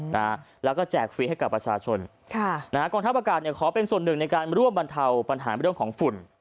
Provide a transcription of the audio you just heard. นะฮะแล้วก็แจกฟรีให้กับประชาชนค่ะนะฮะกองทัพอากาศเนี่ยขอเป็นส่วนหนึ่งในการร่วมบรรเทาปัญหาเรื่องของฝุ่น